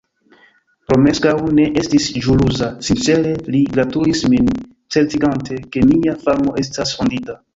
Romeskaŭ ne estis ĵaluza; sincere li gratulis min, certigante, ke mia famo estas fondita.